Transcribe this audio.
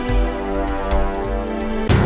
jangan sampai aku kemana mana